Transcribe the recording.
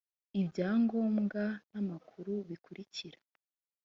ibyangombwa n amakuru bikurikira